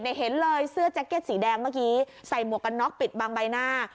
เห็นเลยเสื้อแจ็คเก็ตสีแดงเมื่อกี้ใส่หมวกกันน็อกปิดบางใบหน้า